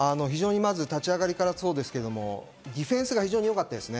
立ち上がりからそうですけど、ディフェンスが非常によかったですね。